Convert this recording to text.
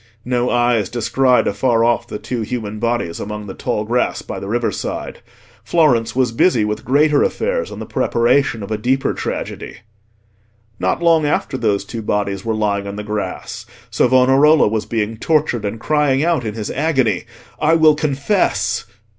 No eyes descried afar off the two human bodies among the tall grass by the riverside. Florence was busy with greater affairs, and the preparation of a deeper tragedy. Not long after those two bodies were lying in the grass, Savonarola was being tortured, and crying out in his agony, "I will confess!"